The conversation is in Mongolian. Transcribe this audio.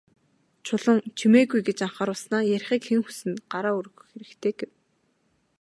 Чулуун «Чимээгүй» гэж анхааруулснаа "Ярихыг хэн хүснэ, гараа өргөх хэрэгтэй" гэв.